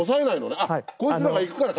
あっこいつらが行くから勝手に。